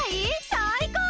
さいこう！